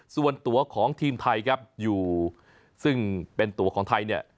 ส่วนตัวของทีมไทยครับอยู่ซึ่งเป็นตัวของไทยเนี่ย